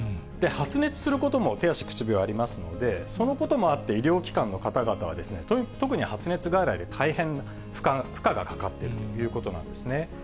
発熱することも手足口病ありますので、そのこともあって、医療機関の方々は、特に発熱外来で大変負荷がかかっているということなんですね。